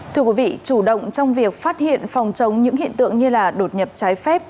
thưa quý vị chủ động trong việc phát hiện phòng chống những hiện tượng như đột nhập trái phép